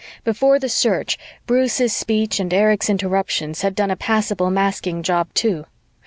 Before the search, Bruce's speech and Erich's interruptions had done a passable masking job too.